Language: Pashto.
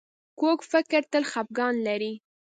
کوږ فکر تل خپګان لري